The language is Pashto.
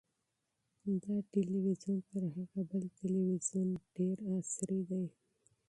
دا تلویزیون تر هغه بل تلویزیون ډېر عصري دی.